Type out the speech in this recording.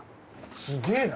すげえな。